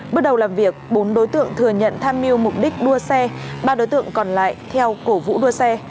bước đầu làm việc bốn đối tượng thừa nhận tham mưu mục đích đua xe ba đối tượng còn lại theo cổ vũ đua xe